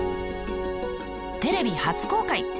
テレビ初公開！